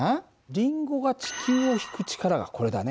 リンゴが地球を引く力がこれだね。